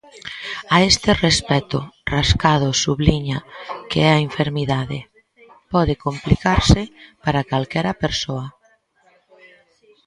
A este respecto, Rascado subliña que a enfermidade "pode complicarse" para calquera persoa.